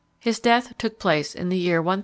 His death took place in the year 1036.